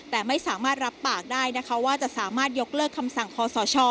แต่ไม่สามารถรับปากได้นะคะว่าจะสามารถยกเลิกคำสั่งคอสช